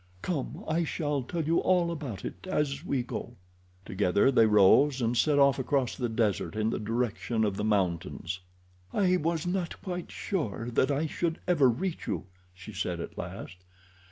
Come; I shall tell you all about it as we go." Together they rose and set off across the desert in the direction of the mountains. "I was not quite sure that I should ever reach you," she said at last.